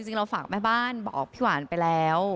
จริงเราฝากแม่บ้านบอกพี่หวานไปแล้ว